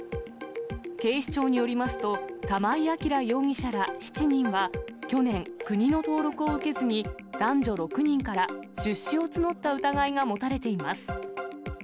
警視庁によりますと、玉井暁容疑者ら７人は去年、国の登録を受けずに、男女６人から出資を募った疑いが持たれています。